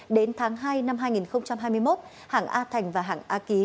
đến tháng hai năm hai nghìn hai mươi một hảng a thành và hảng a ký